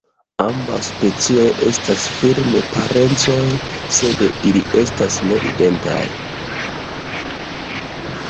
Ambaŭ specioj estas firme parencoj, sed ili estas ne identaj.